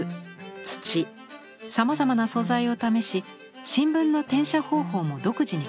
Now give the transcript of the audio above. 土さまざまな素材を試し新聞の転写方法も独自に開発しました。